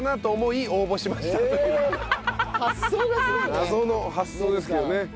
謎の発想ですけどね。